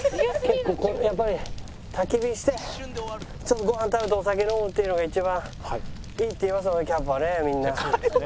やっぱり焚き火してちょっとご飯食べてお酒飲むっていうのが一番いいっていいますもんね